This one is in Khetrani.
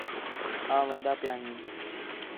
آں وین٘دا پِیا ہینس